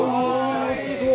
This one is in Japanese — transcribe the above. おいしそう！